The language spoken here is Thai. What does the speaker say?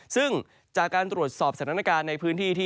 ซึ่งจากการตรวจสอบสถานการณ์ในพื้นที่ที่